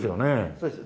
そうです。